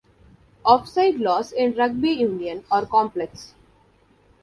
Offside laws in rugby union are complex.